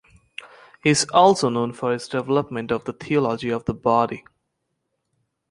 He is also known for his development of the Theology of the Body.